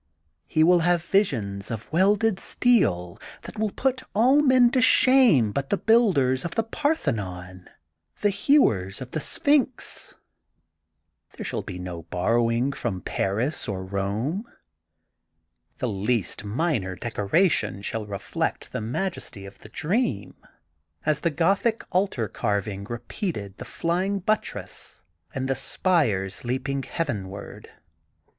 He will have visions of welded steel that will put all men to shame but the builders of the Parthenon, the hewers of the Sphinx. There shall be no borrowings from Paris or Rome. "The least minor decoration shall reflect the majesty of the dream, as the Gothic altar carving repeated the flying buttress and the spires leaping heavenward.